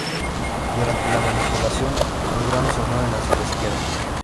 Durante la manipulación, los granos se mueven hacia la izquierda.